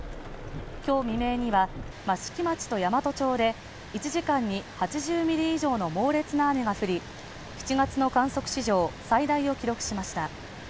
今日未明には益城町と山都町で１時間に８０ミリ以上の猛烈な雨が降り、７月の観測史上最大を記録しました。